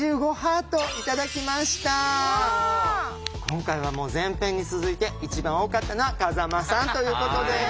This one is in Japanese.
今回はもう前編に続いて一番多かったのは風間さんということです。